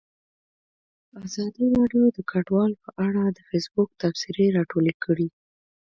ازادي راډیو د کډوال په اړه د فیسبوک تبصرې راټولې کړي.